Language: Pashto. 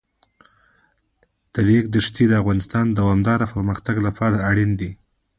د ریګ دښتې د افغانستان د دوامداره پرمختګ لپاره اړین دي.